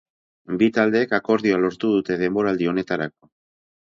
Bi taldeek akordioa lortu dute denboraldi honetarako.